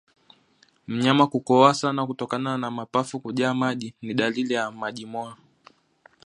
Mnyama kukohoa sana kutokana na mapafu kujaa maji ni dalili ya majimoyo